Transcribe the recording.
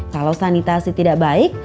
kalau sanitasi tidak baik